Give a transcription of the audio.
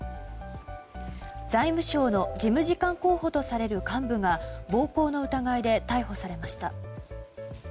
財務省の事務次官候補とされる幹部が暴行の疑いで逮捕されました。